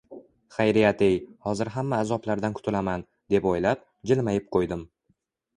Xayriyat-ey, hozir hamma azoblardan qutulaman, deb o`ylab, jilmayib qo`ydim